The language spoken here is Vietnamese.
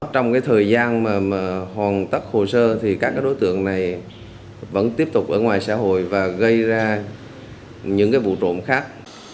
trong thời gian hoàn tất hồ sơ thì các đối tượng này vẫn tiếp tục ở ngoài xã hội và gây ra những vụ trộm khác